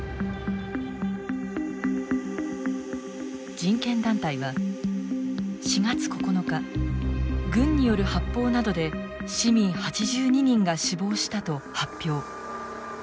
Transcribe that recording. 人権団体は４月９日軍による発砲などで市民８２人が死亡したと発表。